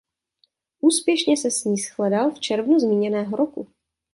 Úspěšně se s ní shledal v červnu zmíněného roku.